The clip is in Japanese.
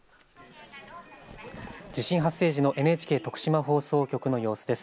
地震発生時のＮＨＫ徳島放送局の様子です。